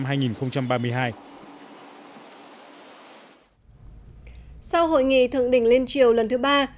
sau hội nghị thượng đỉnh lên chiều lần thứ ba